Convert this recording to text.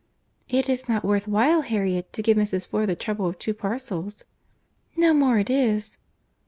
"It is not worth while, Harriet, to give Mrs. Ford the trouble of two parcels." "No more it is."